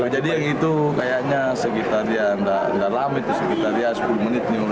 jadi yang itu kayaknya sekitar dia tidak lambat sekitar dia sepuluh menit lima belas menit